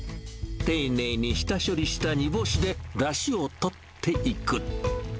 丁寧に下処理した煮干しでだしをとっていく。